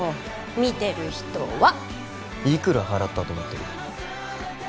見てる人はいくら払ったと思ってる？